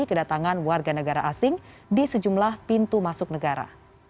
kedatangan warga negara asing di sejumlah pintu masuk negara